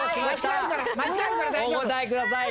お答えください。